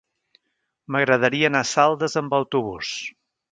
M'agradaria anar a Saldes amb autobús.